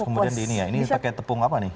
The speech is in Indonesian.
kemudian di ini ya ini pakai tepung apa nih